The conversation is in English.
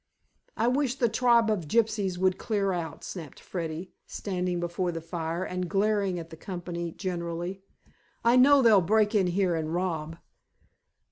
"I wish the tribe of gypsies would clear out," snapped Freddy, standing before the fire and glaring at the company generally. "I know they'll break in here and rob."